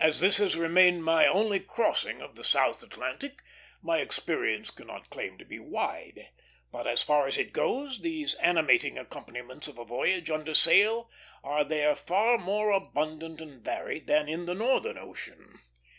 As this has remained my only crossing of the South Atlantic, my experience cannot claim to be wide; but, as far as it goes, these animating accompaniments of a voyage under sail are there far more abundant and varied than in the northern ocean.